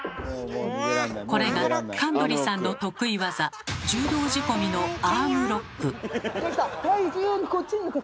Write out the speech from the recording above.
これが神取さんの得意技柔道仕込みの体重をこっちに。